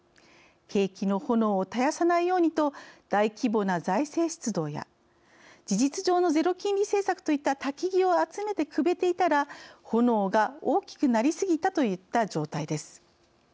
景気の炎を絶やさないようにと大規模な財政出動や事実上のゼロ金利政策といった薪を集めてくべていたら炎が大きくなりすぎたといった状態です。